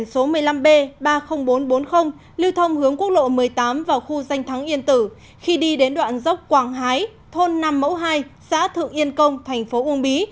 tuyên thông hướng quốc lộ một mươi tám vào khu danh thắng yên tử khi đi đến đoạn dốc quảng hái thôn năm mẫu hai xã thượng yên công thành phố uông bí